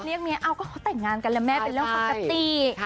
เมียเอ้าก็เขาแต่งงานกันแล้วแม่เป็นเรื่องปกติ